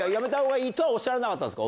おっしゃらなかったんですか？